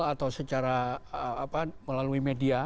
atau secara melalui media